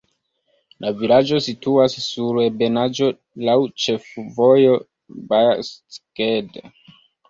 La vilaĝo situas sur ebenaĵo, laŭ ĉefvojo Baja-Szeged.